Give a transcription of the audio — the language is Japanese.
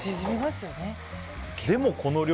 でも、この量。